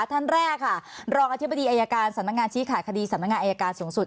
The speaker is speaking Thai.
ท่านแรกค่ะรองอธิบดีอายการสำนักงานชี้ขาดคดีสำนักงานอายการสูงสุด